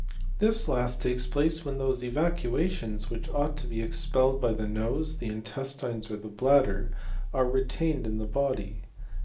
This last takes place when those eva cuations, which ought to be expelled by the nose, the intestines, or the bladder, are retained in the body.